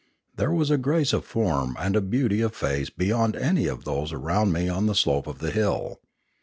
There was a grace of form and a beauty of face beyond any of those around me on the slope of the hill.